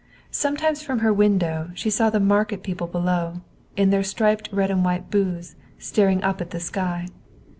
Sometimes, from her window, she saw the market people below, in their striped red and white booths, staring up at the sky.